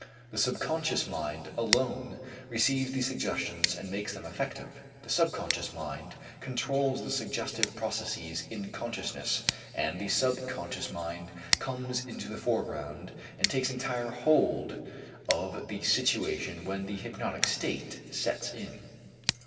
The subconscious mind alone receives the suggestions and makes them effective, the subconscious mind controls the suggestive processes in consciousness, and the subconscious mind comes into the foreground and takes entire hold of the situation when the hypnotic state sets in.